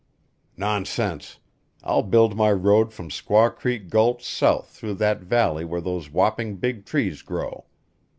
"Nonsense! I'll build my road from Squaw Creek gulch south through that valley where those whopping big trees grow.